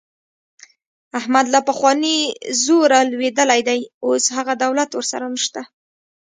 احمد له هغه پخواني زوره لوېدلی دی. اوس هغه دولت ورسره نشته.